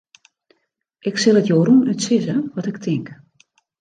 Ik sil it jo rûnút sizze wat ik tink.